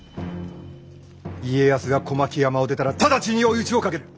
家康が小牧山を出たら直ちに追い打ちをかける！